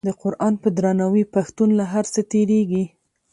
د قران په درناوي پښتون له هر څه تیریږي.